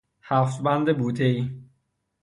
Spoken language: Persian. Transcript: هفت بند بوته ای